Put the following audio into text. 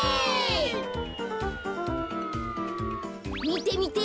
みてみて。